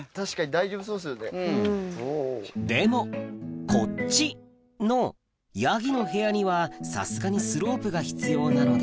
でもこっちのヤギの部屋にはさすがにスロープが必要なので